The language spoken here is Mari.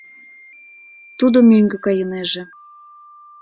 Тудо мӧҥгӧ кайынеже.